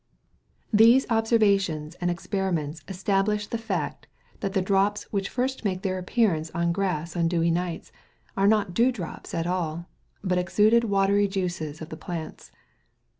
These observations and experiments establish the fact that the drops which first make their appearance on grass on dewy nights are not dew drops at all, but the exuded watery juices of the plants.